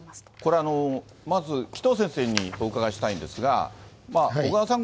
これ、まず紀藤先生にお伺いしたいんですが、小川さん